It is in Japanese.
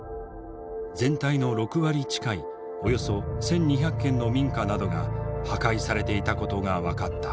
全体の６割近いおよそ１，２００軒の民家などが破壊されていたことが分かった。